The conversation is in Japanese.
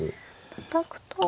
たたくと。